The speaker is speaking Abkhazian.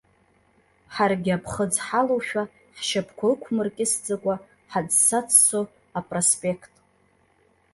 Ҳаргьы аԥхыӡ ҳалоушәа, ҳшьапқәа ықәмыркьысӡакәа, ҳаӡса-ӡсо апроспеқт.